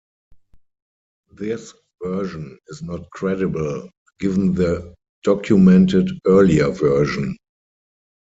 This version is not credible, given the documented earlier version.